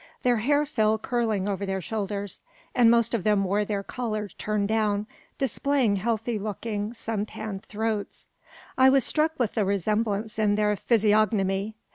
Their hair fell curling over their shoulders; and most of them wore their collars turned down, displaying healthy looking, sun tanned throats. I was struck with a resemblance in their physiognomy.